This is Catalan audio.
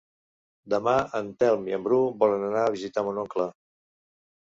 Demà en Telm i en Bru volen anar a visitar mon oncle.